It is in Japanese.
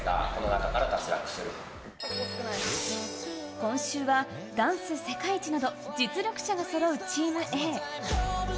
今週はダンス世界一など実力者がそろうチームＡ。